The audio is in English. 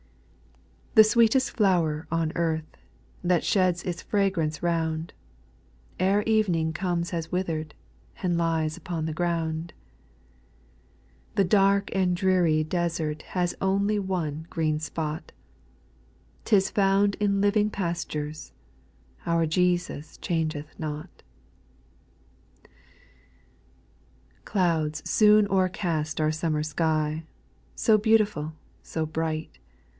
/ 2. The sweetest flower on earth, That sheds its fragrance round, E'er evening comes has withered, And lies upon the ground : The dark and dreary desert Has only one green spot, 'T is found in living pastures, — Our Jesus changeth not. 8. Clouds soon overcast our summer sky, So beautiful, so bright.